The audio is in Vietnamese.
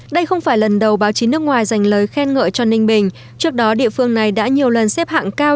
đây không phải lần đầu báo chí nước ngoài dành lời khen ngợi cho ninh bình trước đó địa phương này đã nhiều lần xếp hạng cao